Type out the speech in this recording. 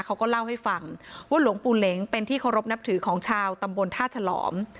เขาก็เล่าให้ฟังว่าหลวงปู่เหล็งเป็นที่เคารพนับถือของชาวตำบลท่าฉลอม